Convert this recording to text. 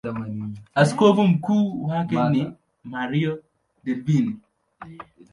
Askofu mkuu wake ni Mario Delpini.